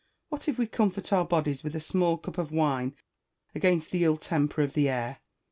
What if we comfort our bodies with a small cup of wine, against the ill temper of the air.